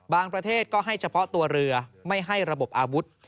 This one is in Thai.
ประเทศก็ให้เฉพาะตัวเรือไม่ให้ระบบอาวุธ